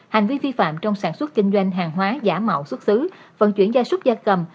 hành vi vi phạm trong sản xuất kinh doanh hàng hóa giả mạo xuất xứ vận chuyển gia súc gia cầm